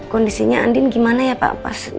kondisinya andin gimana ya pak pas